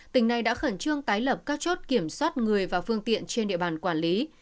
tỉnh này đã khẩn trương tái lập các chốt kiểm soát người và phương tiện trên địa bàn quản lý